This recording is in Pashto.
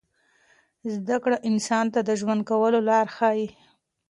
زده کړه انسان ته د ژوند کولو لار ښیي.